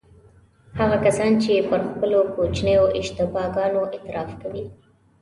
هغه کسان چې پر خپلو کوچنیو اشتباه ګانو اعتراف کوي.